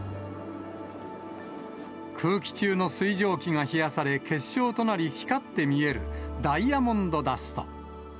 空気中の水蒸気が冷やされ結晶となり、光って見える、ダイヤモンドダスト。